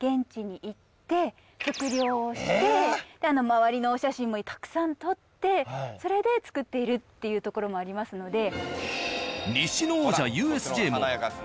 ・周りのお写真もたくさん撮ってそれで作っているっていうところもありますので。